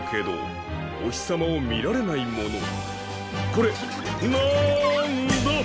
これなんだ？